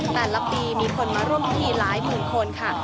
แต่ละปีมีคนมาร่วมพิธีหลายหมื่นคนค่ะ